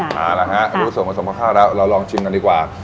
น่าร้ะฮะรู้สึกของผสมข้าวเราลองชิมกันดีกว่า